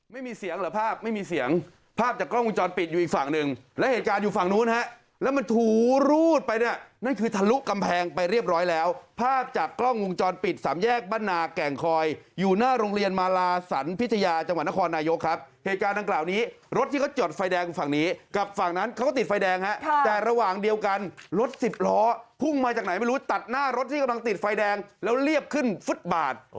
ไม่มีเสียงหรอภาพไม่มีเสียงภาพจากกล้องวงจรปิดอยู่อีกฝั่งหนึ่งและเหตุการณ์อยู่ฝั่งนู้นนะแล้วมันถูรูดไปเนี่ยนั่นคือทะลุกำแพงไปเรียบร้อยแล้วภาพจากกล้องวงจรปิดสามแยกบ้านนาแก่งคอยอยู่หน้าโรงเรียนมาลาศรรพิธยาจังหวัดนครนายกครับเหตุการณ์ดังกล่าวนี้รถที่เขาจดไฟแดงฝั่งน